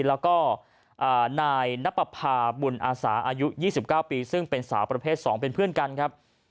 แล้วก็นายนับประพาบุญอาสาอายุ๒๙ปีซึ่งเป็นสาวประเภท๒เป็นเพื่อนกันครับ